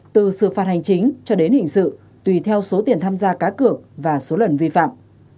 từ xử phạt hành chính cho đến hình sự tùy theo số tiền tham gia cá cược và số lần vi phạm